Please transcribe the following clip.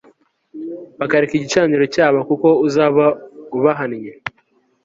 bakareka igicaniro cyabo, kuko uzaba ubahannye